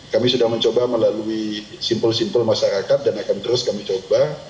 kami sudah mencoba melalui simpul simpul masyarakat dan akan terus kami coba